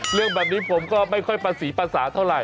เรื่องแบบนี้ผมก็ไม่ค่อยประสีภาษาเท่าไห